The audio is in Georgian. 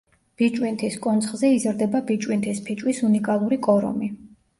ბიჭვინთის კონცხზე იზრდება ბიჭვინთის ფიჭვის უნიკალური კორომი.